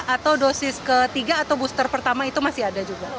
atau dosis ketiga atau booster pertama itu masih ada juga